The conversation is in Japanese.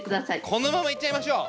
このままいっちゃいましょう。